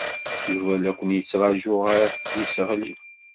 Yuba la ken-yettṛaju ɣer yiseɣli.